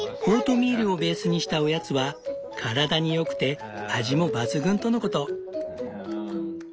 オートミールをベースにしたおやつは体に良くて味も抜群とのこと。